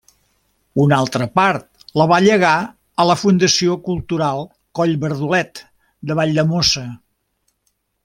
Una altra part la va llegar a la Fundació Cultural Coll Bardolet de Valldemossa.